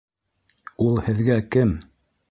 -Ул һеҙгә кем?